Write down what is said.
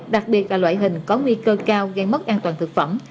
đặc biệt là loại hình có nguy cơ cao gây mất an toàn thực phẩm